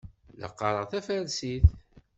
La qqareɣ tafarsit.